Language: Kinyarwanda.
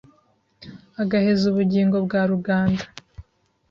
Agaheza ubugingo bwa ruganda